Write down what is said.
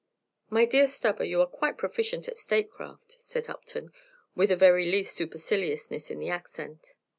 "My dear Stubber, you are quite a proficient at state craft," said Upton, with the very least superciliousness in the accent.